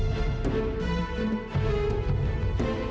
ken di sini ken